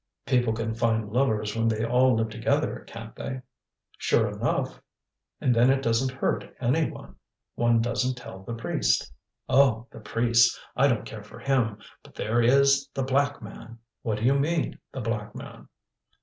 "People can find lovers when they all live together, can't they?" "Sure enough!" "And then it doesn't hurt any one. One doesn't tell the priest." "Oh! the priest! I don't care for him! But there is the Black Man." "What do you mean, the Black Man?"